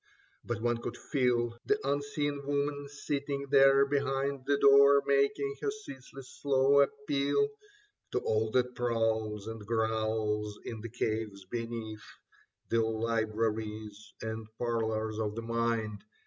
But one could feel The unseen woman sitting there behind The door, making her ceaseless slow appeal To all that prowls and growls in the caves beneath The libraries and parlours of the mind.